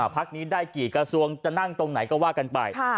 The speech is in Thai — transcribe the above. พักนี้ได้กี่กระทรวงจะนั่งตรงไหนก็ว่ากันไป